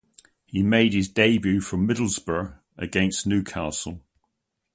He made his debut for Middlesbrough against Newcastle.